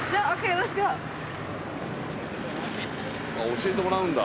教えてもらうんだ。